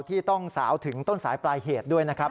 ที่ต้องสาวถึงต้นสายปลายเหตุด้วยนะครับ